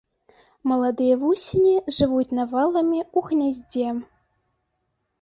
Маладыя вусені жывуць наваламі ў гняздзе.